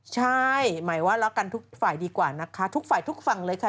ใช่หมายว่ารักกันทุกฝ่ายดีกว่านะคะทุกฝ่ายทุกฝั่งเลยค่ะ